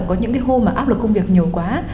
có những cái hôm mà áp lực công việc nhiều quá